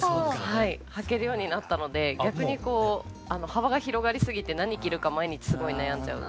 はいはけるようになったので逆に幅が広がりすぎて何着るか毎日すごい悩んじゃう。